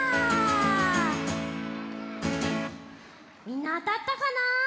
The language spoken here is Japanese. みんなあたったかな？